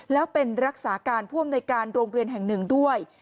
แล้วเป็นรักษาการผู้อำนวยการโรงเรียนแห่งหนึ่งด้วย